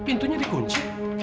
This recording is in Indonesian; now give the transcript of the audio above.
kok pintunya dikunci